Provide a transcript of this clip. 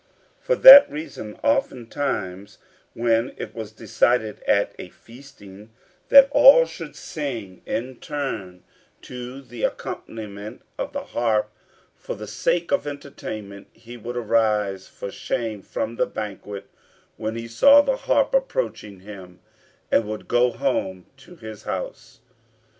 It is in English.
For that reason oftentimes, when it was decided at a feasting that all should sing in turn to the accompaniment of the harp for the sake of entertainment, he would arise for shame from the banquet when he saw the harp approaching him, and would go home to his house.